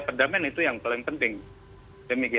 perdamaian itu yang paling penting